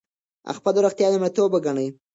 خپله روغتیا لومړیتوب وګڼئ.